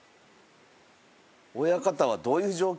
親方はどういう状況？